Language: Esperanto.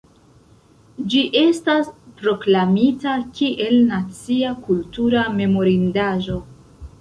Ĝi estas proklamita kiel Nacia kultura memorindaĵo.